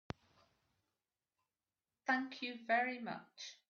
Thank you very much.